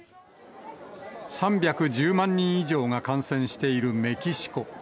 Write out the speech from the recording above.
３１０万人以上が感染しているメキシコ。